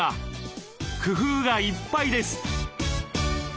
工夫がいっぱいです。